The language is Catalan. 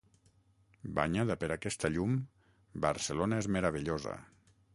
Banyada per aquesta llum, Barcelona és meravellosa.